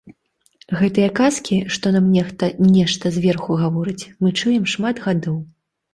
Гэтыя казкі, што нам нехта нешта зверху гаворыць, мы чуем шмат гадоў.